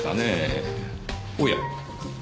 おや。